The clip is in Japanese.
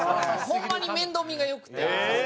ホンマに面倒見が良くて。